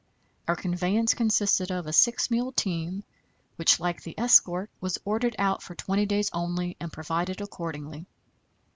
Our conveyance consisted of a six mule team, which, like the escort, was ordered out for twenty days only, and provided accordingly.